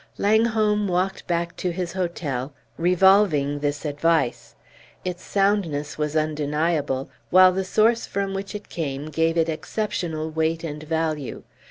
Langholm walked back to his hotel, revolving this advice. Its soundness was undeniable, while the source from which it came gave it exceptional weight and value.